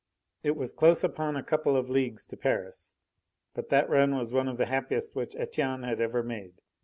It was close upon a couple of leagues to Paris, but that run was one of the happiest which Etienne had ever made.